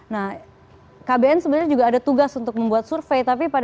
nah kbn sebenarnya juga ada tugas untuk membuat survei